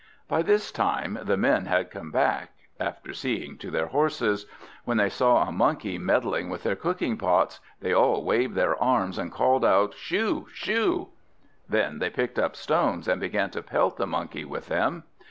By this time the men had come back, after seeing to their horses. When they saw a monkey meddling with their cooking pots they all waved their arms, and called out, "Shoo! shoo!" Then they picked up stones, and began to pelt the Monkey with them.